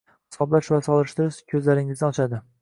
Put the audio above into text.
Hisoblash va solishtirish, ko'zlaringiz o'chadi